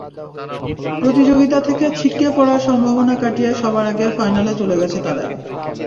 প্রতিযোগিতা থেকে ছিটকে পড়ার সম্ভাবনা কাটিয়ে সবার আগে ফাইনালে চলে গেছে তারাই।